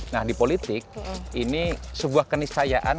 nah di politik ini sebuah keniscayaan